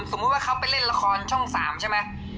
สมมุติว่าเขาไปเล่นละครช่อง๓ใช่ไหม